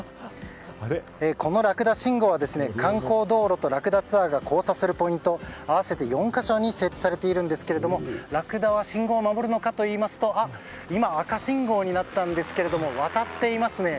このラクダ信号観光道路とラクダツアーが交差するポイント合わせて４か所に設置されているんですけどもラクダは信号を守るのかというと今、赤信号になったんですが渡っていますね。